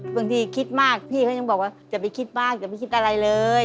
บางทีคิดมากพี่เขายังบอกว่าอย่าไปคิดมากอย่าไปคิดอะไรเลย